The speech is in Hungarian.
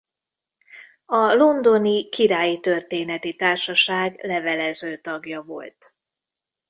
A londoni Királyi Történeti Társaság levelező tagja volt.